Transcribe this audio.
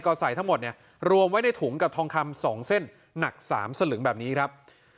ก็ใส่ทั้งหมดเนี่ยรวมไว้ในถุงกับทองคำ๒เส้นหนัก๓สลึงแบบนี้ครับ